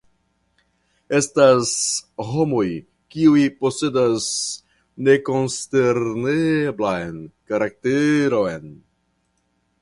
Estas homoj, kiuj posedas nekonsterneblan karakteron.